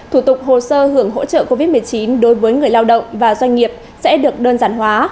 thủ tục hồ sơ hưởng hỗ trợ covid một mươi chín đối với người lao động và doanh nghiệp sẽ được đơn giản hóa